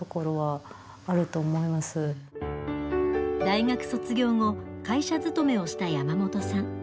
大学卒業後会社勤めをした山本さん。